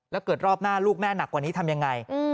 แล้วเกิดรอบหน้าลูกแม่หนักกว่านี้ทำยังไง